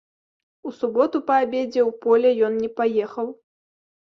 У суботу па абедзе ў поле ён не паехаў.